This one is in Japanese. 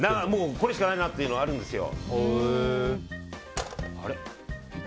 もうこれしかないなっていうのがあるんですよ。